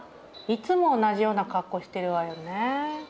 いつも同じような格好してるわよね。